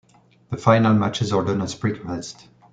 The final matches are done at "SpringFest".